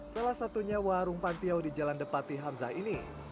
salah satunya warung pantiau di jalan depati hamzah ini